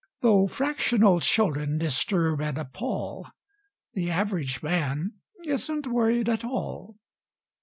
(Though fractional children disturb and appal, The Average Man isn't worried at all.)